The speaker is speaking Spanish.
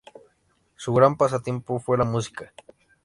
Su gran pasatiempo fue la música.